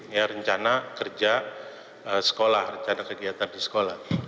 ya rencana kerja sekolah rencana kegiatan di sekolah